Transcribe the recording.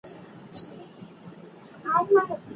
که هنرمندان وهڅول سي، نو د هغوی استعداد نه مریږي.